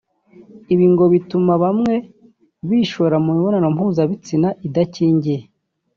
Ibi ngo bituma bamwe bishora mu mibonano mpuzabitsina idakingiye